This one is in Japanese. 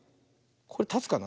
これたつかな。